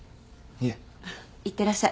いってらっしゃい。